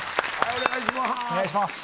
はいお願いします